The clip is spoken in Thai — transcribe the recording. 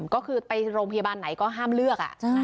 ก็คือไปโรงพยาบาลไหนก็ห้ามเลือก